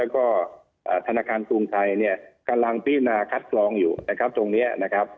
ก็ธนการภูมิไทยกำลังพินาคัดคล้องอยู่นะครับตรงนี้นะครับ